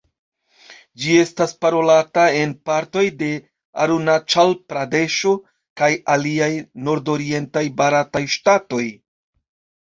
Ĝi estas parolata en partoj de Arunaĉal-Pradeŝo kaj aliaj nordorientaj barataj ŝtatoj.